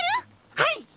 はい！